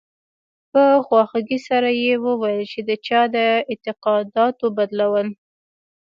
په خواخوږۍ سره یې وویل چې د چا د اعتقاداتو بدلول.